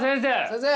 先生！